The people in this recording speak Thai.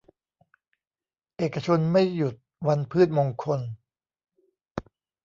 เอกชนไม่หยุดวันพืชมงคล